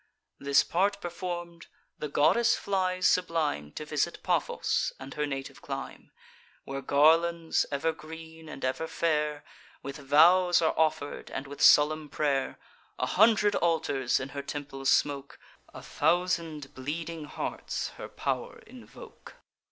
This part perform'd, the goddess flies sublime To visit Paphos and her native clime; Where garlands, ever green and ever fair, With vows are offer'd, and with solemn pray'r: A hundred altars in her temple smoke; A thousand bleeding hearts her pow'r invoke.